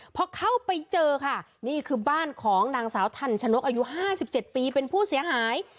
พอเข้าไปเจอค่ะนี่คือบ้านของนางสาวทันชนกอายุ๕๗ปีเป็นผู้เสียหาย